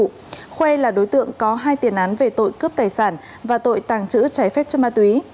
khuê là đối tượng có hai tiền án về tội cướp tài sản và tội tàng trữ trái phép chất ma túy